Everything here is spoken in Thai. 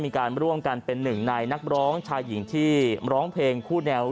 มีการร่วมกันเป็นหนึ่งในนักร้องชายหญิงที่ร้องเพลงคู่แนว